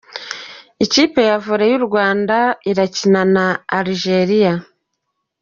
Ikipe ya vore y’u Rwanda irakina na alijeriya